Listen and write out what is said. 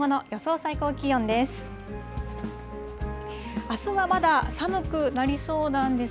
最高気温です。